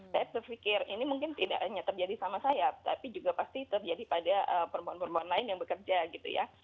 saya berpikir ini mungkin tidak hanya terjadi sama saya tapi juga pasti terjadi pada perempuan perempuan lain yang bekerja gitu ya